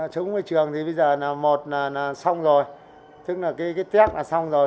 chúng tôi đã cho vào trong vòng tuần hơn tuần rồi